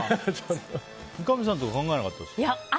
三上さんとか考えなかったですか？